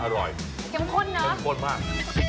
จัดอร่อยเคลมข้นเนอะเคลมข้นมาก